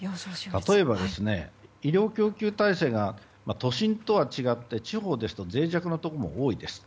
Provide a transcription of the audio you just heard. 例えば、医療供給体制が都心とは違って地方ですと脆弱なところが多いです。